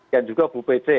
dan juga bu pece